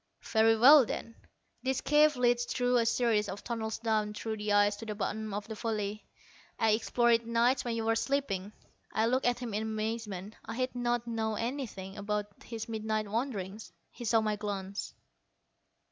"Very well, then. This cave leads through a series of tunnels down through the ice to the bottom of the valley. I explored it nights when you were all sleeping." I looked at him in amazement. I had not known anything about his midnight wanderings. He saw my glance.